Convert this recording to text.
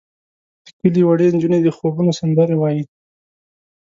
د کلي وړې نجونې د خوبونو سندرې وایې.